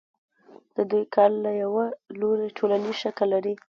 د دوی کار له یوه لوري ټولنیز شکل لري